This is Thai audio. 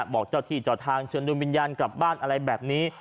บอกเจ้าที่เจ้าทางเชิญดวงวิญญาณกลับบ้านอะไรแบบนี้